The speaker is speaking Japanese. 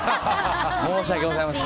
申し訳ございません。